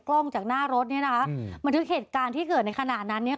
กล้องจากหน้ารถเนี่ยนะคะอืมบันทึกเหตุการณ์ที่เกิดในขณะนั้นเนี้ย